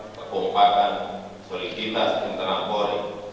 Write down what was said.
kekuatkan soliditas internal polri